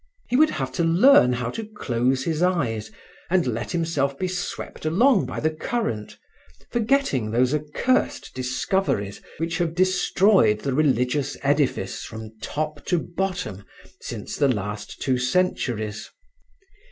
He would have to learn how to close his eyes and let himself be swept along by the current, forgetting those accursed discoveries which have destroyed the religious edifice, from top to bottom, since the last two centuries.